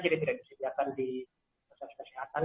jadi tidak disediakan di proses kesehatan